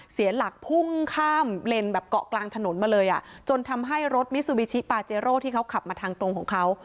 เสียหลักพุ่งข้ามเลนแบบเกาะกลางถนนมาเลยอ่ะจนทำให้รถมิซูบิชิปาเจโร่ที่เขาขับมาทางตรงของเขา